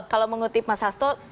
kalau mengutip mas hasto